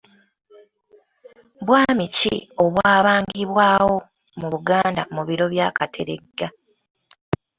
Bwami ki obwabangibwawo mu Buganda mu biro bya Kateregga?